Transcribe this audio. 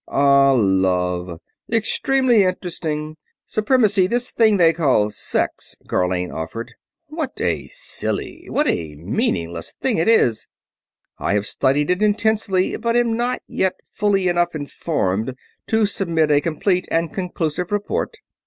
"Ah, love ... extremely interesting. Supremacy, this thing they call sex," Gharlane offered. "What a silly, what a meaningless thing it is! I have studied it intensively, but am not yet fully enough informed to submit a complete and conclusive report.